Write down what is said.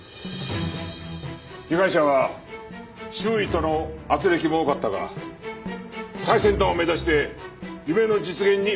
被害者は周囲との軋轢も多かったが最先端を目指して夢の実現に邁進していた。